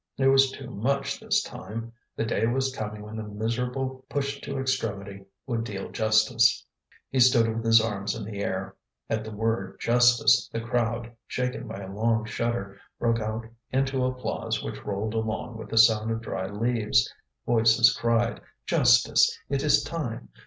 It was too much this time; the day was coming when the miserable, pushed to extremity, would deal justice. He stood with his arms in the air. At the word "justice" the crowd, shaken by a long shudder, broke out into applause which rolled along with the sound of dry leaves. Voices cried: "Justice! it is time!